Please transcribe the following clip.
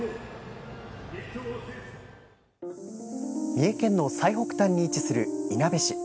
三重県の最北端に位置するいなべ市。